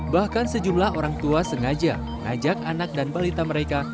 bahkan sejumlah orang tua sengaja mengajak anak dan balita mereka